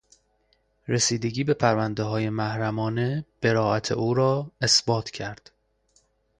رسیدگی به پروندههای محرمانه برائت او را اثبات کرد.